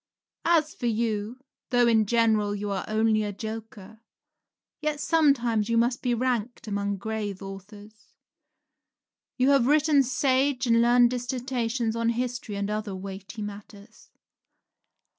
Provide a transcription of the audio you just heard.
As for you, though in general you are only a joker, yet sometimes you must be ranked among grave authors. You have written sage and learned dissertations on history and other weighty matters.